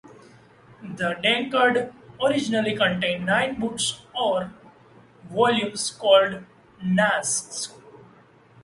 The "Denkard" originally contained nine books or volumes, called "nasks".